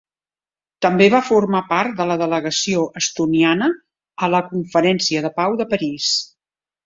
També va formar part de la delegació estoniana a la Conferència de Pau de París.